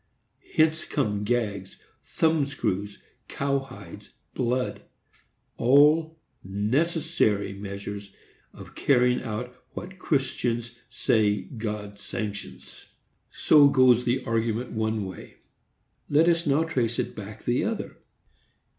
Hence come gags, thumb screws, cowhides, blood,—all necessary measures of carrying out what Christians say God sanctions. So goes the argument one way. Let us now trace it back the other.